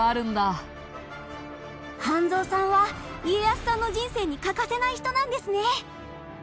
半蔵さんは家康さんの人生に欠かせない人なんですね。